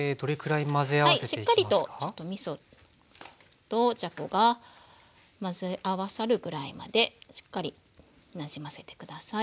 しっかりとちょっとみそとじゃこが混ぜ合わさるぐらいまでしっかりなじませて下さい。